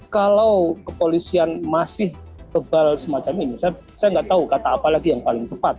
kalau kepolisian masih tebal semacam ini saya nggak tahu kata apa lagi yang paling tepat